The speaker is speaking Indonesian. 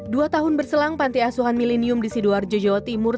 dua tahun berselang panti asuhan milenium di sidoarjo jawa timur